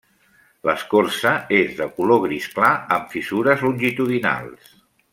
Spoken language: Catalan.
L'escorça és de color gris clar amb fissures longitudinals.